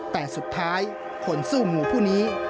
แต่สุดท้ายคนสู้งูผู้นี้